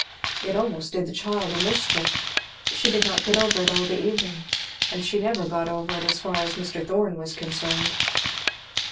It almost did the child a mischief. She did not get over it all the evening. And she never got over it as far as Mr. Thorn was concerned.